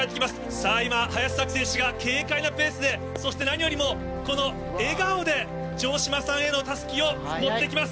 さあ、今、林咲希選手が軽快なペースで、そして何よりもこの笑顔で、城島さんへのたすきを持ってきます。